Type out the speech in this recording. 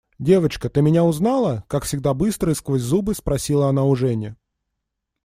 – Девочка, ты меня узнала? – как всегда быстро и сквозь зубы, спросила она у Жени.